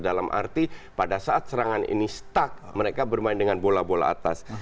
dalam arti pada saat serangan ini stuck mereka bermain dengan bola bola atas